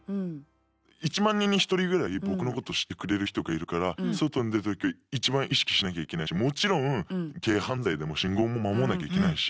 １万人に１人ぐらい僕のこと知ってくれる人がいるから外に出るとき一番意識しなきゃいけないしもちろん軽犯罪でも信号も守んなきゃいけないし。